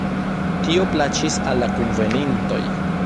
Tio plaĉis al la kunvenintoj.